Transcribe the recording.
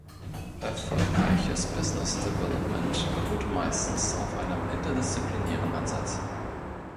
Erfolgreiches Business Development beruht meistens auf einem interdisziplinären Ansatz.